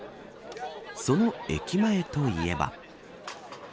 その駅前といえば。